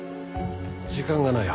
時間がない。